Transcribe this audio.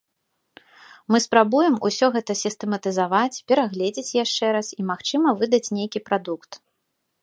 Мы спрабуем усё гэта сістэматызаваць, перагледзець яшчэ раз, і, магчыма, выдаць нейкі прадукт.